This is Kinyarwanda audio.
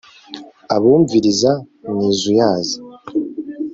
abumviriza mwizuyaza